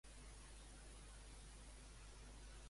Fes-me un favor i parat, si us plau.